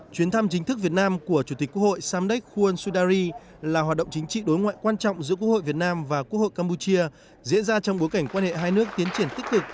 chuyến thăm chính thức việt nam của chủ tịch quốc hội samdek huen sudari là hoạt động chính trị đối ngoại quan trọng giữa quốc hội việt nam và quốc hội campuchia diễn ra trong bối cảnh quan hệ hai nước tiến triển tích cực